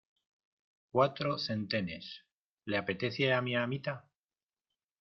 cuatro centenes, ¿ le apetece a mi amita?